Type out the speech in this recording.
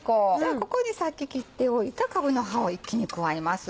ここでさっき切っておいたかぶの葉を一気に加えます。